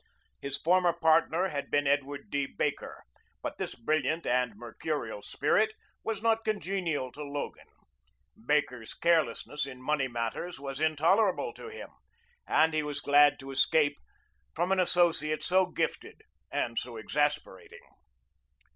His former partner had been Edward D. Baker, but this brilliant and mercurial spirit was not congenial to Logan; Baker's carelessness in money matters was Intolerable to him, and he was glad to escape from an associate so gifted and so exasperating.